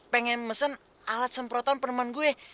pengen mesen alat semprotan peneman gue